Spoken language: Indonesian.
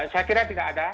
saya kira tidak ada